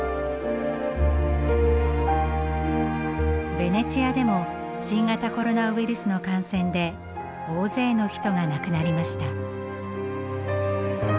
ベネチアでも新型コロナウイルスの感染で大勢の人が亡くなりました。